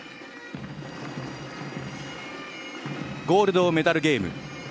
ゴールドメダルゲーム。